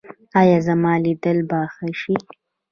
ایا زما لیدل به ښه شي؟